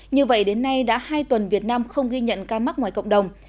như vậy đến nay đã hai tuần việt nam không ghi nhận ca mắc ngoài cộng đồng